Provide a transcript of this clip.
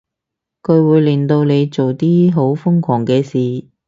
佢會令到你做啲好瘋狂嘅事